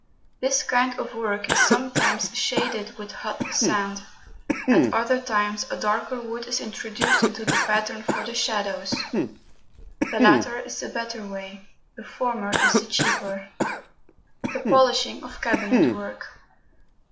This kind of work is sometimes shaded with hot sand; at other times a darker wood is introduced into the pattern for the shadows. The latter is the better way; the former is the cheaper. The polishing of cabinet work.